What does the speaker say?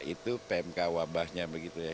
itu pmk wabahnya begitu ya